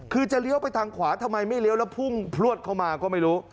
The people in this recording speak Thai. คือจะเลี้ยวไปทางขวาทำไมไม่เลี้ยวแล้วพุ่งพลวดเข้ามาก็ไม่รู้